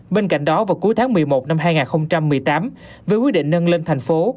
bên cạnh đó vào cuối tháng một mươi một năm hai nghìn một mươi tám với quyết định nâng lên thành phố